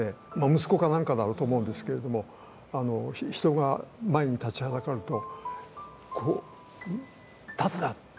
息子か何かだろうと思うんですけれども人が前に立ちはだかるとこう「立つな」って。